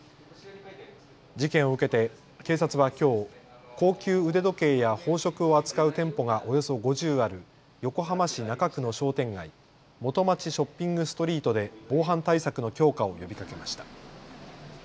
事件を受けて警察はきょう高級腕時計や宝飾を扱う店舗がおよそ５０ある横浜市中区の商店街、元町ショッピングストリートで防犯対策の強化を呼びかけました。